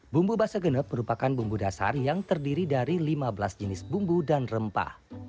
bumbu basa genep merupakan bumbu dasar yang terdiri dari lima belas jenis bumbu dan rempah